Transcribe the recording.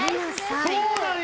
そうなんや！